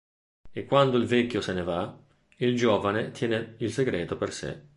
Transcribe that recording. E quando il vecchio se ne va, il giovane tiene il segreto per sé.